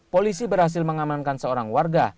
polisi berhasil mengamankan seorang warga